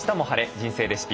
人生レシピ」